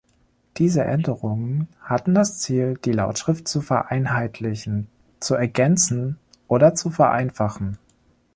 Diese Änderungen hatten das Ziel, die Lautschrift zu vereinheitlichen, zu ergänzen oder zu vereinfachen.